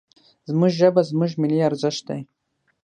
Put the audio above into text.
زموږ ژبه، زموږ ملي ارزښت دی.